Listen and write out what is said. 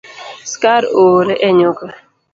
Skari oore e nyuka